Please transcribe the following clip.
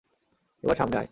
এবার সামনে আয়।